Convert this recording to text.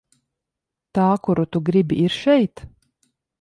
Tā kuru tu gribi, ir šeit?